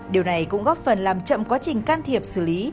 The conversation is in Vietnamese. điều này cũng góp phần làm chậm quá trình can thiệp xử lý